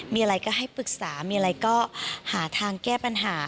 มีอะไรก็ให้ปรึกษาหาทางแก้ปัญหา